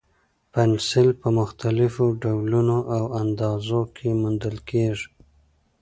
پنسل په مختلفو ډولونو او اندازو کې موندل کېږي.